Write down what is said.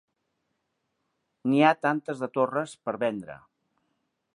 N'hi ha tantes de torres per vendre